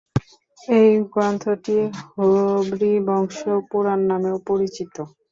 এই গ্রন্থটি হরিবংশ পুরাণ নামেও পরিচিত।